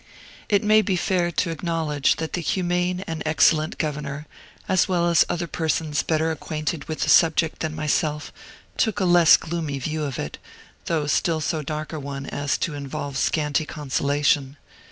It may be fair to acknowledge that the humane and excellent governor, as well as other persons better acquainted with the subject than myself, took a less gloomy view of it, though still so dark a one as to involve scanty consolation.